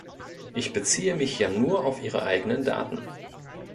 Ich beziehe mich ja nur auf Ihre eigenen Daten.